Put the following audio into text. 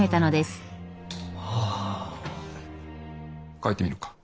描いてみるか？